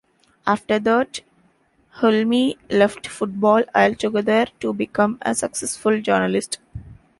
After that, Hulme left football altogether, to become a successful journalist.